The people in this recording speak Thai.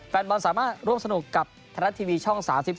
แฟนบอลสามารถร่วมสนุกกับไทยรัฐทีวีช่อง๓๒